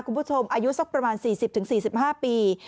คุณผู้ชมอายุสักประมาณ๔๐๔๕ปี